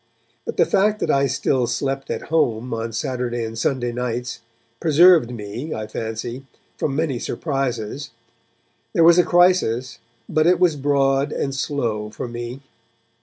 But the fact that I still slept at home on Saturday and Sunday nights preserved me, I fancy, from many surprises. There was a crisis, but it was broad and slow for me.